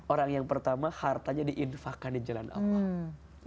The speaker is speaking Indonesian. orang yang pertama hartanya diinfahkan di jalan allah